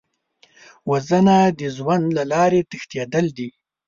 وژنه د ژوند له لارې تښتېدل دي